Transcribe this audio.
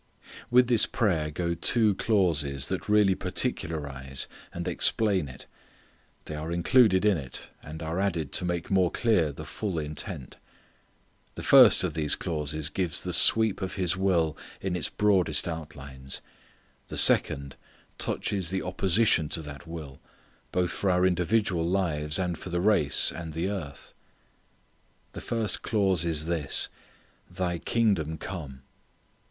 With this prayer go two clauses that really particularize and explain it. They are included in it, and are added to make more clear the full intent. The first of these clauses gives the sweep of His will in its broadest outlines. The second touches the opposition to that will both for our individual lives and for the race and the earth. The first clause is this, "Thy kingdom come."